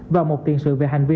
và một tiền sự về hành vi